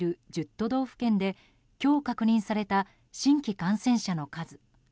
都道府県で今日確認された新規感染者の数。